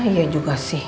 iya juga sih